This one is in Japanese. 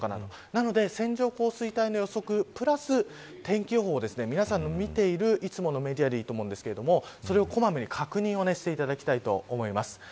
なので、線状降水帯の予測プラス天気予報ｚ、いつも皆さんの見ているいつものメディアでいいと思うんですがそれを小まめに確認していただきたいと思います。